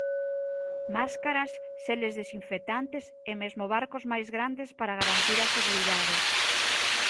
Máscaras, xeles desinfectantes e mesmo barcos máis grandes para garantir a seguridade.